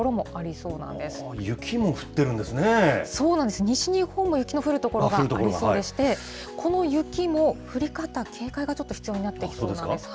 そうなんです、西日本も雪の降る所がありそうでして、この雪も降り方、警戒がちょっと必要になってきそうなんです。